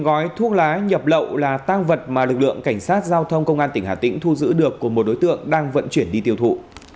một gói thuốc lá nhập lậu là tăng vật mà lực lượng cảnh sát giao thông công an tỉnh hà tĩnh thu giữ được của một đối tượng đang vận chuyển đi tiêu thụ